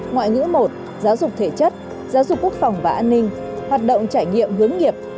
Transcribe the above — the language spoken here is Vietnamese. ngoại ngữ một giáo dục thể chất giáo dục quốc phòng và an ninh hoạt động trải nghiệm hướng nghiệp